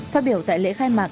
phát biểu tại lễ khai mạc